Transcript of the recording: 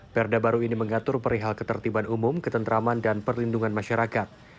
perda baru ini mengatur perihal ketertiban umum ketentraman dan perlindungan masyarakat